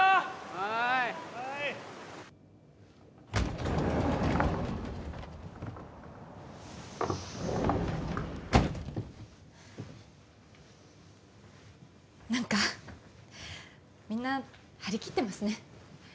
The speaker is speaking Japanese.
はーい・はーい何かみんな張り切ってますね